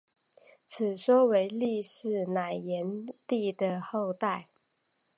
此说认为栾氏乃炎帝的后代。